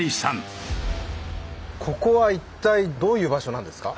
ここは一体どういう場所なんですか？